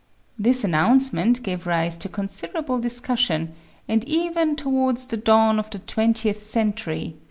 This announcement gave rise to con siderable discussion, and even towards the dawn of the twentieth century 3.